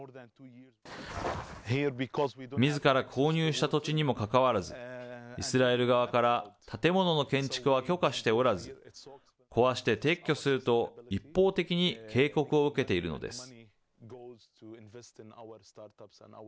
みずから購入した土地にもかかわらず、イスラエル側から建物の建築は許可しておらず、壊して撤去すると、一方的に警告を受けているのです。